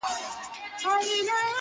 پرون کاږه وو نن کاږه یو سبا نه سمیږو -